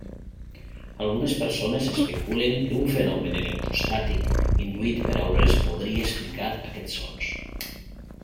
Algunes persones especulen que un fenomen electroestàtic induït per aurores podria explicar aquests sons.